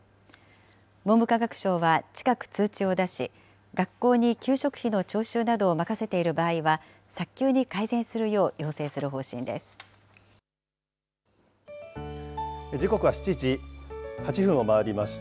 文部科学省は近く通知を出し、学校に給食費の徴収などを任せている場合は、早急に改善するよう要時刻は７時８分を回りました。